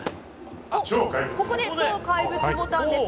ここで超怪物ボタンです。